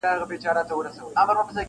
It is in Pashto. خو ذهنونه لا هم زخمي دي,